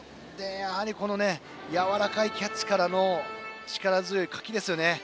やはりやわらかいキャッチからの力強い、かきですよね。